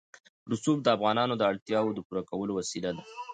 رسوب د افغانانو د اړتیاوو د پوره کولو وسیله ده.